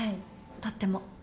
とっても。